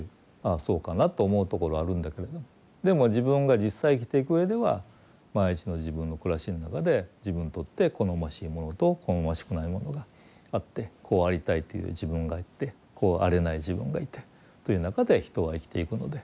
あそうかなと思うところあるんだけどでも自分が実際生きていくうえでは毎日の自分の暮らしの中で自分にとって好ましいものと好ましくないものがあってこうありたいという自分がいてこうあれない自分がいてという中で人は生きていくので。